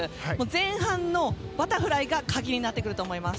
前半のバタフライが鍵になってくると思います。